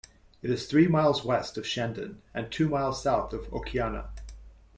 It is three miles west of Shandon and two miles south of Okeana.